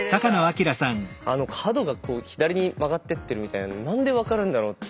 あの角がこう左に曲がってってるみたいなの何で分かるんだろうと。